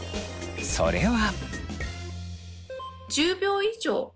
それは。